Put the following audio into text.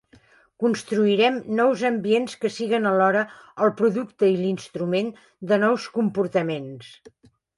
Construirem nous ambients que siguen alhora el producte i l'instrument de nous comportaments.